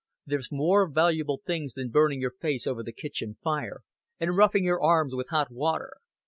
"There's more valuable things than burning your face over the kitchen fire, and roughing your arms with hot water.